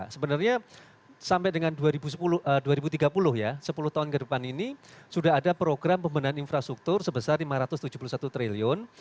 sebenarnya sampai dengan dua ribu tiga puluh ya sepuluh tahun ke depan ini sudah ada program pembenahan infrastruktur sebesar lima ratus tujuh puluh satu triliun